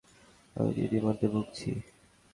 আমি তো ইতিমধ্যে ভুগছি।